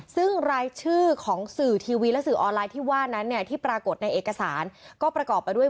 ซึ่งรายชื่อของสื่อทีวีและสื่อออนไลน์ที่ว่านั้นเนี่ยที่ปรากฏในเอกสารก็ประกอบไปด้วย